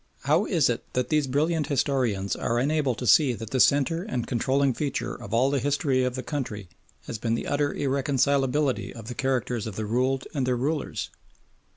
How is it that these brilliant historians are unable to see that the centre and controlling feature of all the history of the country has been the utter irreconcilability of the characters of the ruled and their rulers?